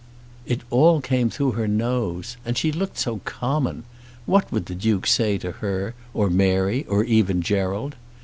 It all came through her nose! And she looked so common! What would the Duke say to her, or Mary, or even Gerald?